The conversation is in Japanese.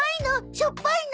しょっぱいの？